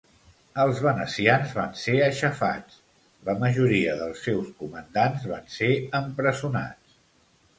Els venecians van ser aixafats, la majoria dels seus comandants van ser empresonats.